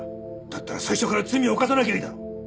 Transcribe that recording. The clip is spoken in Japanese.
だったら最初から罪を犯さなきゃいいだろ！